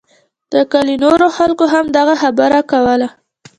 د کلي نورو خلکو هم دغه خبره کوله.